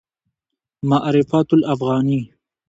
معرفت الافغاني